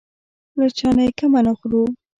له چا نه یې کمه نه خورو.